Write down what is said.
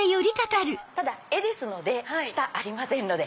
ただ絵ですので下ありませんので。